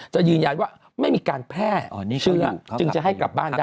จะยืนยันว่าไม่มีการแพร่เชื้อจึงจะให้กลับบ้านได้